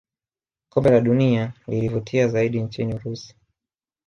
kombe la dunia lilivutia zaidi nchini urusi